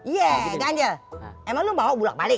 ya ganjil emang lu bawa bulat balik